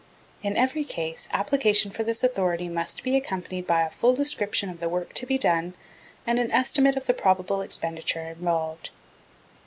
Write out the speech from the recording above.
In every case application for this authority must be accompanied by a full description of the work to be done, and an estimate of the probable expenditure involved.